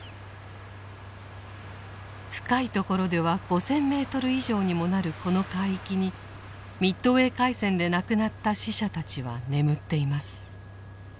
深いところでは５０００メートル以上にもなるこの海域にミッドウェー海戦で亡くなった死者たちは眠っています。